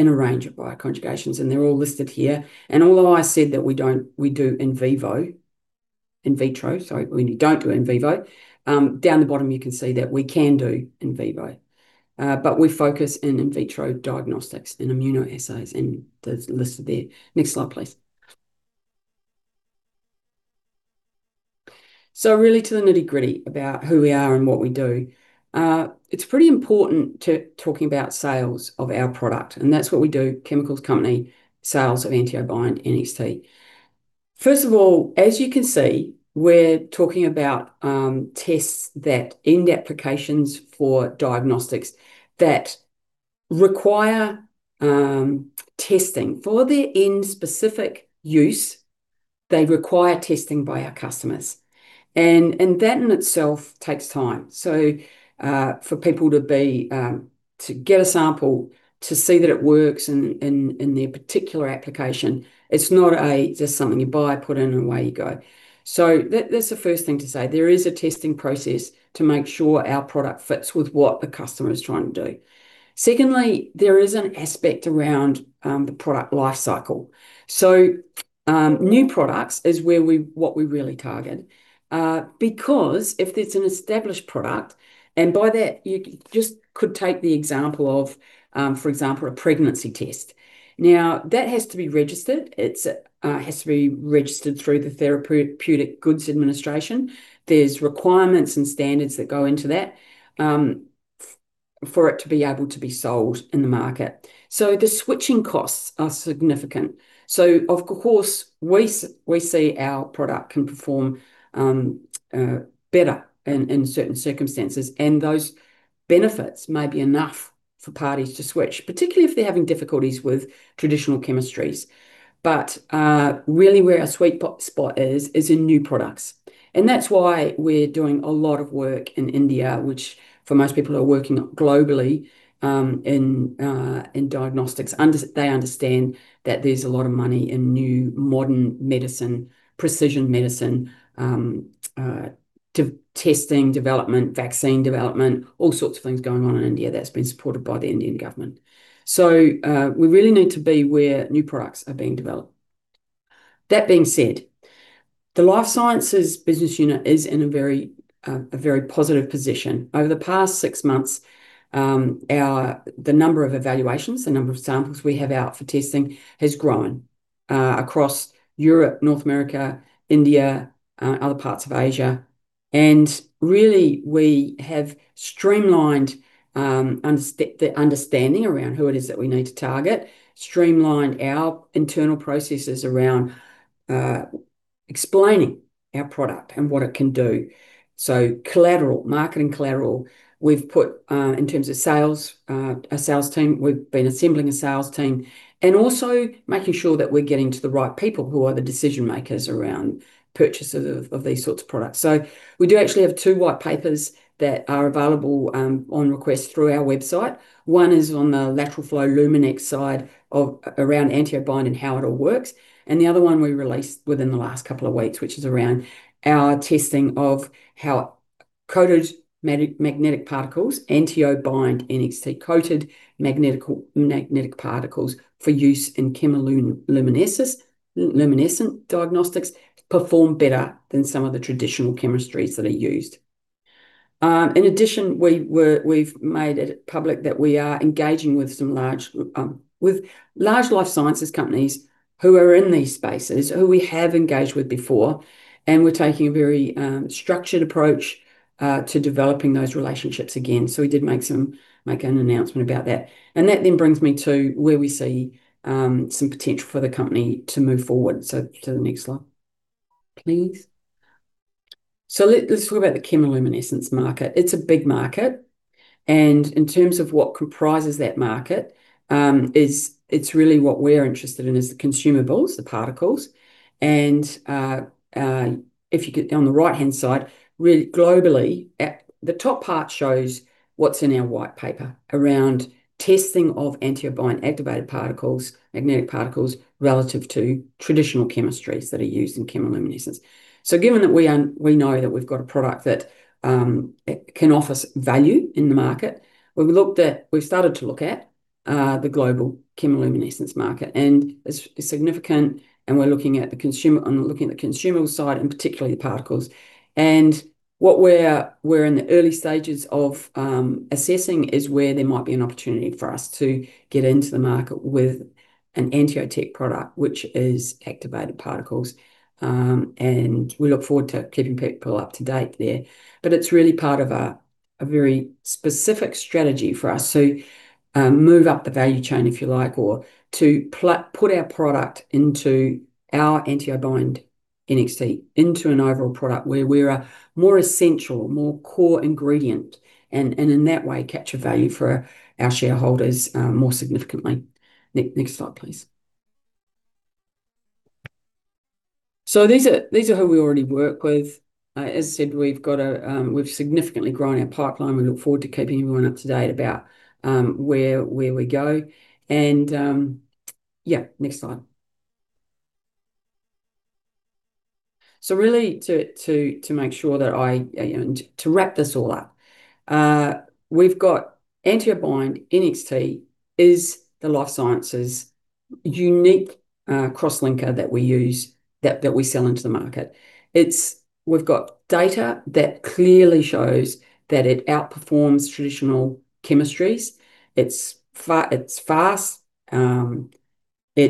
A range of bioconjugations, and they're all listed here. Although I said that we don't, we do in vivo, in vitro, so we don't do in vivo. Down the bottom you can see that we can do in vivo. But we focus on in vitro diagnostics and immunoassays, and those listed there. Next slide, please. Really to the nitty-gritty about who we are and what we do. It's pretty important to talking about sales of our product, and that's what we do, chemicals company, sales of AnteoBind NXT. First of all, as you can see, we're talking about tests and end applications for diagnostics that require testing. For their end-specific use, they require testing by our customers. That in itself takes time. For people to get a sample, to see that it works in their particular application, it's not just something you buy, put in and away you go. That's the first thing to say. There is a testing process to make sure our product fits with what the customer is trying to do. Secondly, there is an aspect around the product life cycle. New products is what we really target. Because if it's an established product, and by that you just could take the example of, for example, a pregnancy test. Now, that has to be registered through the Therapeutic Goods Administration. There's requirements and standards that go into that, for it to be able to be sold in the market. The switching costs are significant. Of course, we see our product can perform better in certain circumstances, and those benefits may be enough for parties to switch, particularly if they're having difficulties with traditional chemistries. Really where our sweet spot is is in new products. That's why we're doing a lot of work in India, which for most people are working globally in diagnostics. They understand that there's a lot of money in new modern medicine, precision medicine, testing, development, vaccine development, all sorts of things going on in India that's been supported by the Indian government. We really need to be where new products are being developed. That being said, the Life Sciences business unit is in a very positive position. Over the past six months, the number of evaluations, the number of samples we have out for testing has grown across Europe, North America, India, other parts of Asia. Really, we have streamlined the understanding around who it is that we need to target, streamlined our internal processes around explaining our product and what it can do. Marketing collateral we've put, and in terms of sales, we've been assembling a sales team and also making sure that we're getting to the right people who are the decision-makers around purchases of these sorts of products. We do actually have two white papers that are available on request through our website. One is on the lateral flow Luminex side of around AnteoBind and how it all works, and the other one we released within the last couple of weeks, which is around our testing of how coated magnetic particles, AnteoBind NXT coated magnetic particles for use in chemiluminescence luminescent diagnostics perform better than some of the traditional chemistries that are used. In addition, we've made it public that we are engaging with some large life sciences companies who are in these spaces, who we have engaged with before, and we're taking a very structured approach to developing those relationships again. We did make an announcement about that. That then brings me to where we see some potential for the company to move forward. To the next slide, please. Let's talk about the chemiluminescence market. It's a big market, and in terms of what comprises that market, it's really what we're interested in: the consumables, the particles, and if you could, on the right-hand side, really globally at the top part shows what's in our white paper around testing of AnteoBind activated particles, magnetic particles, relative to traditional chemistries that are used in chemiluminescence. Given that we know that we've got a product that can offer us value in the market, we've started to look at the global chemiluminescence market, and it's significant, and we're looking at the consumer side, and particularly the particles. What we're in the early stages of assessing is where there might be an opportunity for us to get into the market with an AnteoTech product, which is activated particles. We look forward to keeping people up to date there. It's really part of a very specific strategy for us to move up the value chain, if you like, or to put our product into our AnteoBind NXT, into an overall product where we're a more essential, more core ingredient, and in that way, capture value for our shareholders more significantly. Next slide, please. These are who we already work with. As I said, we've significantly grown our pipeline. We look forward to keeping everyone up to date about where we go. Next slide. Really to make sure that I to wrap this all up, we've got AnteoBind NXT is the life sciences unique crosslinker that we use, that we sell into the market. It's fast. We've got data that clearly shows that it outperforms traditional chemistries. It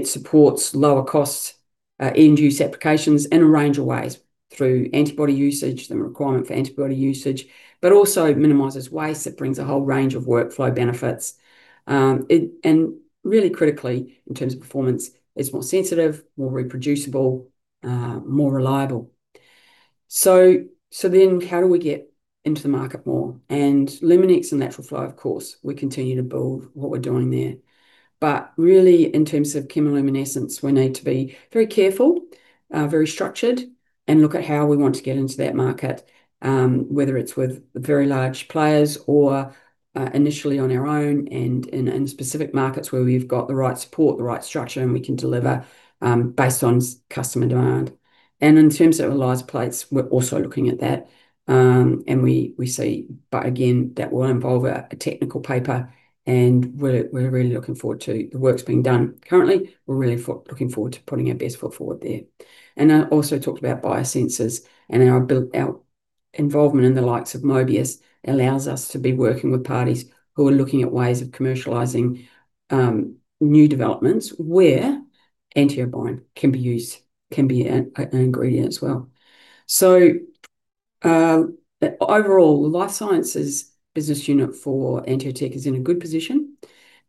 supports lower costs end-use applications in a range of ways through antibody usage, the requirement for antibody usage, but also minimizes waste. It brings a whole range of workflow benefits. Really critically, in terms of performance, it's more sensitive, more reproducible, more reliable. Then how do we get into the market more? Luminex and lateral flow, of course, we continue to build what we're doing there. Really in terms of chemiluminescence, we need to be very careful, very structured, and look at how we want to get into that market, whether it's with very large players or, initially on our own and in specific markets where we've got the right support, the right structure, and we can deliver, based on customer demand. In terms of ELISA plates, we're also looking at that. We see. Again, that will involve a technical paper, and we're really looking forward to the works being done. Currently, we're really looking forward to putting our best foot forward there. I also talked about biosensors, and our involvement in the likes of MOBIUS allows us to be working with parties who are looking at ways of commercializing new developments where AnteoBind can be used, can be an ingredient as well. Overall, the Life Sciences business unit for AnteoTech is in a good position.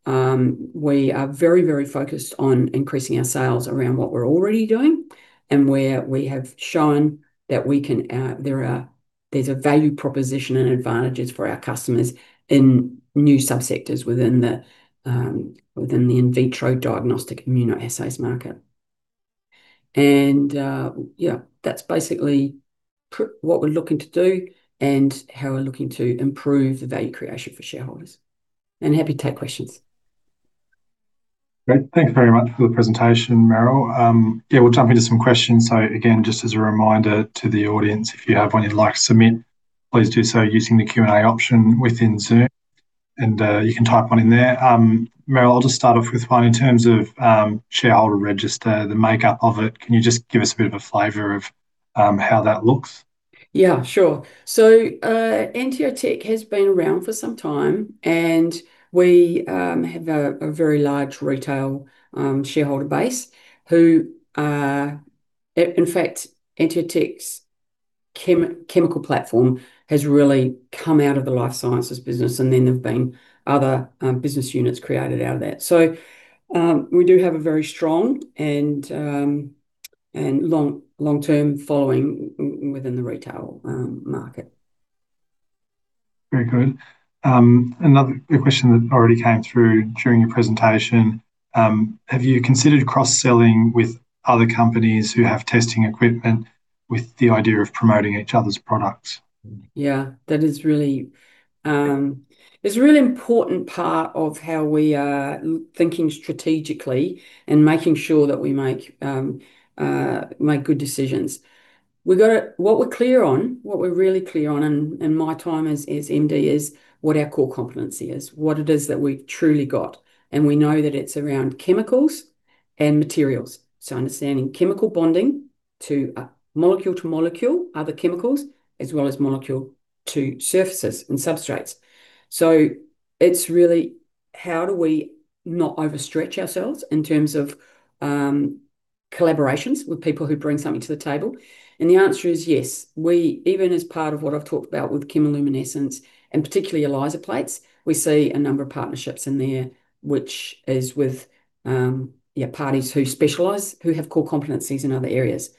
We are very, very focused on increasing our sales around what we're already doing and where we have shown that we can, there is a value proposition and advantages for our customers in new sub-sectors within the in vitro diagnostic immunoassays market. Yeah, that's basically what we're looking to do and how we're looking to improve the value creation for shareholders. Happy to take questions. Great. Thank you very much for the presentation, Merrill. Yeah, we'll jump into some questions. Again, just as a reminder to the audience, if you have one you'd like to submit, please do so using the Q&A option within Zoom, and you can type one in there. Merrill, I'll just start off with one. In terms of shareholder register, the makeup of it, can you just give us a bit of a flavor of how that looks? Yeah, sure. AnteoTech has been around for some time, and we have a very large retail shareholder base who in fact AnteoTech's chemical platform has really come out of the life sciences business, and then there've been other business units created out of that. We do have a very strong and long-term following within the retail market. Very good. Another question that already came through during your presentation, have you considered cross-selling with other companies who have testing equipment with the idea of promoting each other's products? Yeah. That is really, it's a really important part of how we are thinking strategically and making sure that we make good decisions. What we're clear on, what we're really clear on in my time as MD is what our core competency is, what it is that we've truly got, and we know that it's around chemicals and materials. Understanding chemical bonding to a molecule to molecule, other chemicals, as well as molecule to surfaces and substrates. It's really how do we not overstretch ourselves in terms of collaborations with people who bring something to the table, and the answer is yes. We, even as part of what I've talked about with chemiluminescence and particularly ELISA plates, we see a number of partnerships in there, which is with parties who specialize, who have core competencies in other areas.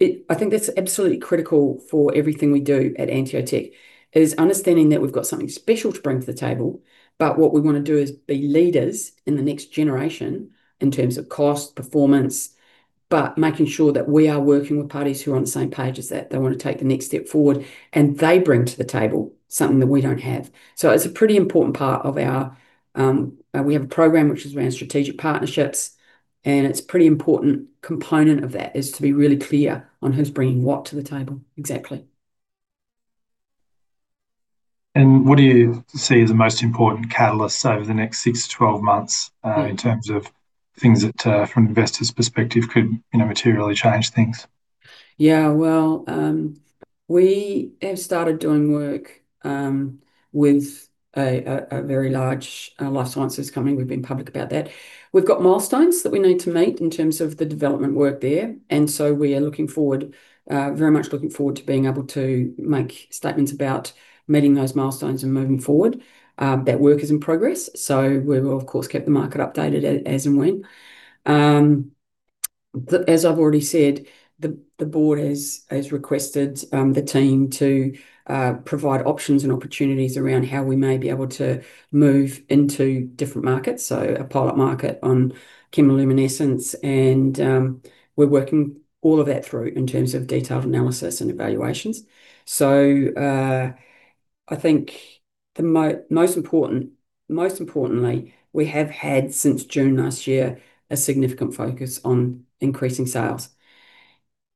It I think that's absolutely critical for everything we do at AnteoTech, is understanding that we've got something special to bring to the table, but what we wanna do is be leaders in the next generation in terms of cost, performance, but making sure that we are working with parties who are on the same page as that. They want to take the next step forward, and they bring to the table something that we don't have. We have a program which is around strategic partnerships, and it's pretty important component of that is to be really clear on who's bringing what to the table exactly. What do you see as the most important catalyst over the next six to 12 months? Yeah. In terms of things that, from an investor's perspective could, you know, materially change things? Yeah. Well, we have started doing work with a very large life sciences company. We've been public about that. We've got milestones that we need to meet in terms of the development work there, and so we are very much looking forward to being able to make statements about meeting those milestones and moving forward. That work is in progress, so we will of course keep the market updated as and when. As I've already said, the board has requested the team to provide options and opportunities around how we may be able to move into different markets, so a pilot market on chemiluminescence and we're working all of that through in terms of detailed analysis and evaluations. I think most importantly, we have had since June last year a significant focus on increasing sales.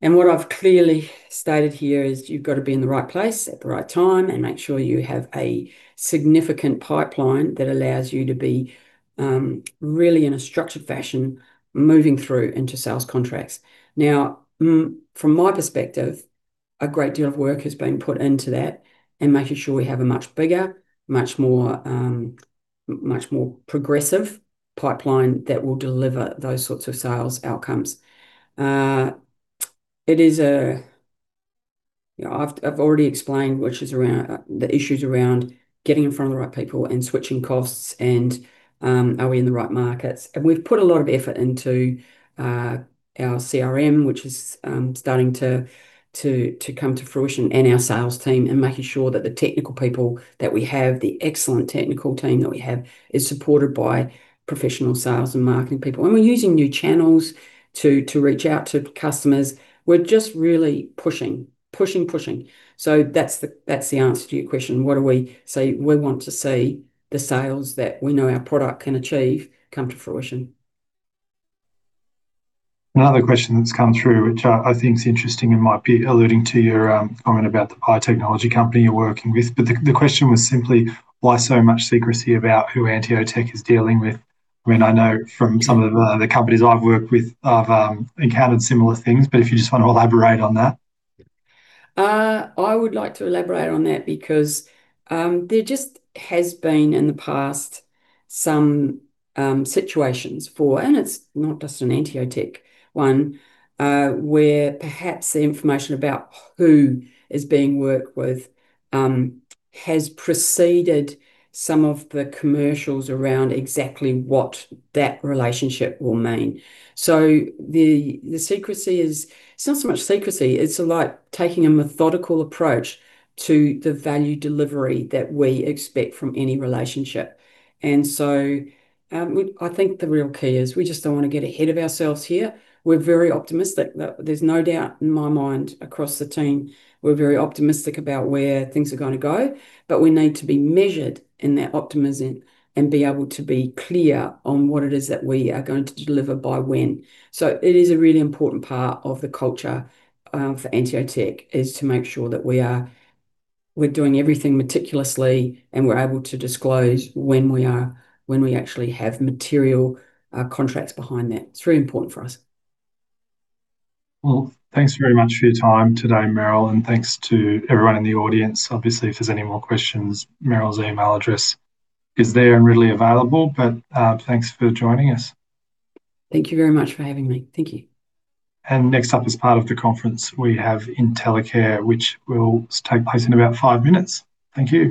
What I've clearly stated here is you've gotta be in the right place at the right time, and make sure you have a significant pipeline that allows you to be really in a structured fashion moving through into sales contracts. Now, from my perspective, a great deal of work has been put into that, in making sure we have a much bigger, much more progressive pipeline that will deliver those sorts of sales outcomes. You know, I've already explained which is around the issues around getting in front of the right people and switching costs and are we in the right markets. We've put a lot of effort into our CRM, which is starting to come to fruition, and our sales team, and making sure that the technical people that we have, the excellent technical team that we have, is supported by professional sales and marketing people. We're using new channels to reach out to customers. We're just really pushing. That's the answer to your question. What do we see? We want to see the sales that we know our product can achieve come to fruition. Another question that's come through, which I think is interesting and might be alluding to your comment about the biotech company you're working with. The question was simply, why so much secrecy about who AnteoTech is dealing with? I mean, I know from some of the companies I've worked with, I've encountered similar things, but if you just wanna elaborate on that. I would like to elaborate on that because there just has been in the past some situations. It's not just an AnteoTech one, where perhaps the information about who is being worked with has preceded some of the commercials around exactly what that relationship will mean. The secrecy is. It's not so much secrecy, it's like taking a methodical approach to the value delivery that we expect from any relationship. I think the real key is we just don't wanna get ahead of ourselves here. We're very optimistic. There's no doubt in my mind across the team, we're very optimistic about where things are gonna go, but we need to be measured in that optimism and be able to be clear on what it is that we are going to deliver by when. It is a really important part of the culture for AnteoTech is to make sure that we're doing everything meticulously, and we're able to disclose when we actually have material contracts behind that. It's very important for us. Well, thanks very much for your time today, Merrill, and thanks to everyone in the audience. Obviously, if there's any more questions, Merrill's email address is there and readily available, but, thanks for joining us. Thank you very much for having me. Thank you. Next up as part of the conference, we have InteliCare, which will take place in about five minutes. Thank you.